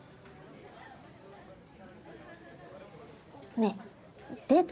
ねぇデート